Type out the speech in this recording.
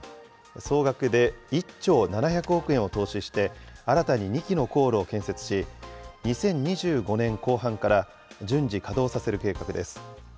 総額で１兆７００億円を投資して、新たに２基の高炉を建設し、２０２５年後半から順次、稼働させる計画です。